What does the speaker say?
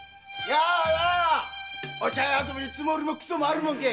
お茶屋遊びにつもりもクソもあるもんか！